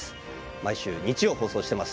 毎週日曜、放送しています。